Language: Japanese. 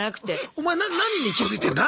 「お前何に気付いてんだ？」